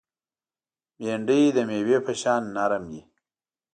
بېنډۍ د مېوې په شان نرم وي